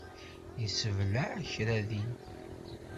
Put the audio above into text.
Yessebleɛ kra din.